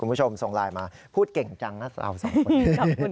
คุณผู้ชมส่งไลน์มาพูดเก่งจังนะเราสองคน